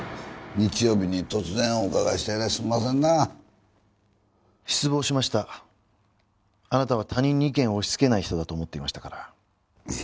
・日曜に突然お伺いしてえらいすいませんな失望しましたあなたは他人に意見を押しつけない人だと思ってました